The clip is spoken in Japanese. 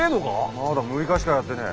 まだ６日しかやってねえ。